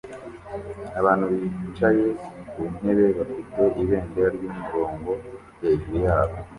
Abantu bicaye ku ntebe bafite ibendera ry'umurongo hejuru yabo